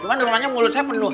cuma namanya mulut saya penuh